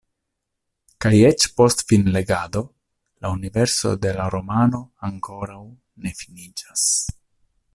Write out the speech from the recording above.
Kaj eĉ post finlegado la universo de la romano ankoraŭ ne finiĝas.